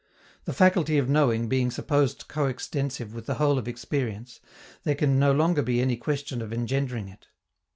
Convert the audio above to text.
The faculty of knowing being supposed coextensive with the whole of experience, there can no longer be any question of engendering it.